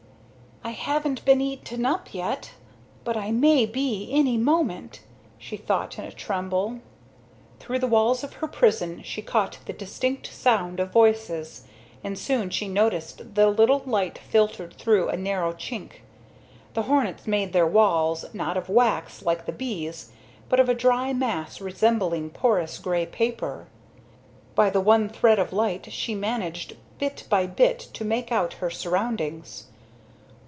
"I haven't been eaten up yet, but I may be, any moment," she thought in a tremble. Through the walls of her prison she caught the distinct sound of voices, and soon she noticed that a little light filtered through a narrow chink. The hornets make their walls, not of wax like the bees, but of a dry mass resembling porous grey paper. By the one thread of light she managed bit by bit to make out her surroundings.